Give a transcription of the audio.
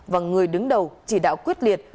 và người đứng đầu chỉ đạo quyết liệt